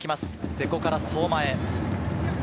瀬古から相馬へ。